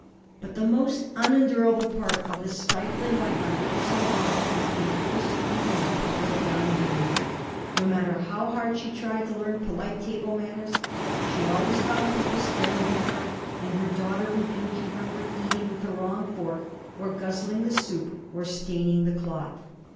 But the most unendurable part of the stifling life on Riverside Drive was being forced to eat in the public dining room. No matter how hard she tried to learn polite table manners, she always found people staring at her, and her daughter rebuking her for eating with the wrong fork or guzzling the soup or staining the cloth.